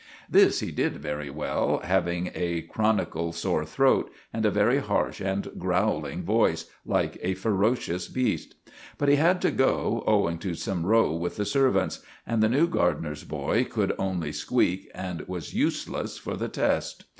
This he did very well, having a chronical sore throat, and a very harsh and growling voice, like a ferocious beast. But he had to go, owing to some row with the servants, and the new gardener's boy could only squeak, and was useless for the test.